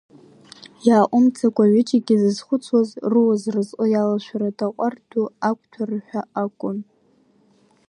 Иааҟәымҵӡакәа аҩыџьегьы зызхәыцуаз, руа зразҟы иалашәарыда аҟәардә ду ақәтәара ҳәа акәын.